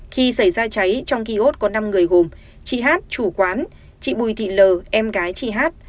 khi xảy ra cháy trong kios có năm người gồm chị hát chủ quán chị bùi thị l em gái chị hát